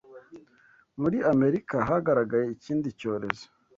muri Amerika hagaragaye ikindi cyorezo